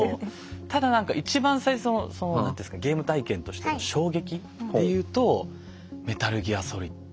ただ何か一番最初のその何ていうんですかゲーム体験としての衝撃で言うと「メタルギアソリッド」。